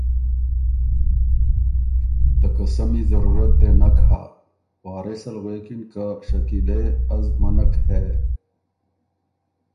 ته قسمی ضرورت دې نک هۀ“ وارث ال غوېکِن که ”شکیلے! ـــ از منک هې